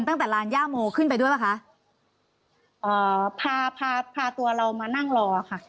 ตั้งแต่ลานย่าโมขึ้นไปด้วยป่ะคะเอ่อพาพาตัวเรามานั่งรอค่ะ